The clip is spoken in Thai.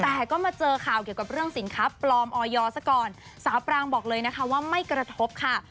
แต่ก็มาเจอข่าวเกี่ยวกับเรื่องสินค้าปลอมออยซะก่อนสาวปรางบอกเลยนะคะว่าไม่กระทบค่ะ